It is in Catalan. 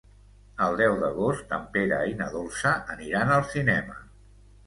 El deu d'agost en Pere i na Dolça aniran al cinema.